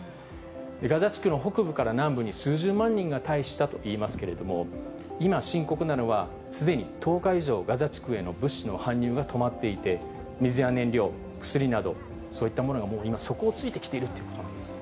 ガザ地区の北部から南部に数十万人が退避したといいますけれども、今、深刻なのはすでに１０日以上、ガザ地区への物資の搬入が止まっていて、水や燃料、薬など、そういったものがもう今、底をついているということなんです。